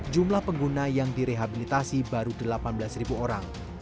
jumlah pengguna yang direhabilitasi baru delapan belas orang